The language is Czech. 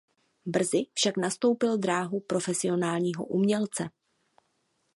Brzy však nastoupil dráhu profesionálního umělce.